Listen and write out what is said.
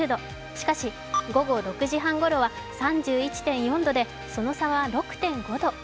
しかし午後６時半ごろは３１．４度でその差は６．５度。